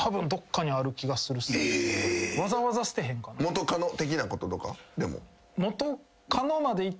元カノ的なこととかでも？